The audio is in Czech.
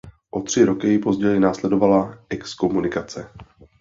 O tři roky později následovala exkomunikace.